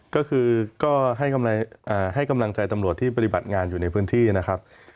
ก็คือก็ให้กำลังใจตำรวจที่ปฏิบัติงานอยู่ในพื้นที่นะครับ